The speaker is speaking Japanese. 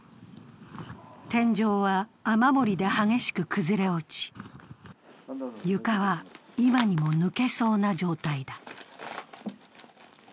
天井は雨漏りで激しく崩れ落ち、床は今にも抜けそうな状態だ。